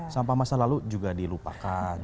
sampah masa lalu juga dilupakan